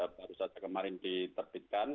baru saja kemarin diterbitkan